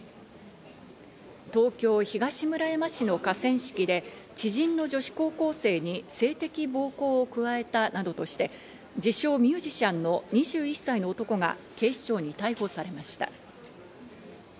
東京・東村山市の河川敷で、知人の女子高校生に性的暴行を加えたなどとして、自称ミュージシャンの２１歳の男が警視庁に逮捕されました。